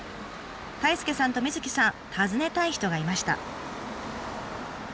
太亮さんとみずきさん訪ねたい人がいました。